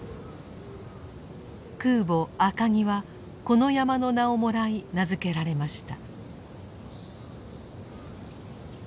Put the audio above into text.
空母「赤城」はこの山の名をもらい名付けられました。